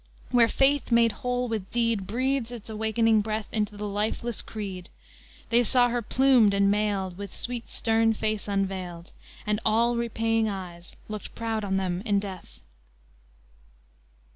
Where faith made whole with deed Breathes its awakening breath Into the lifeless creed, They saw her plumed and mailed, With sweet, stern face unveiled, And all repaying eyes, looked proud on them in death.